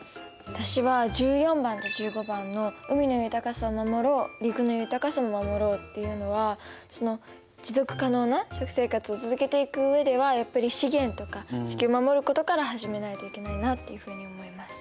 私は１４番と１５番の「海の豊かさを守ろう」「陸の豊かさも守ろう」っていうのは持続可能な食生活を続けていく上ではやっぱり資源とか地球を守ることから始めないといけないなっていうふうに思います。